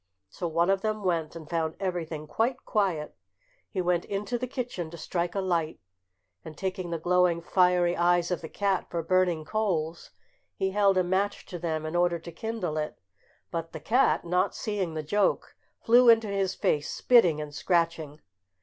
So one of them went, and found everything quite quiet; he went into the kitchen to strike a light, and taking the glowing fiery eyes of the cat for burning coals, he held a match to them in order to kindle it. But the cat, not seeing the joke, flew into his face, spitting and scratching.